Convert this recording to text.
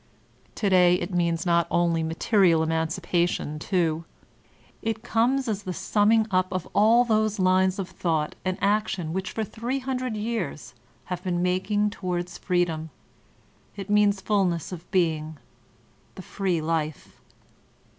To day it means not only material emancipation, too; it comes as the summing up of all those lines of thought and action which for three hundred years have been making towards freedom; it means fulness of being, the free life.